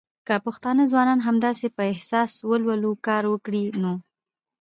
که پښتانه ځوانان همداسې په احساس او ولولو کار وکړی نو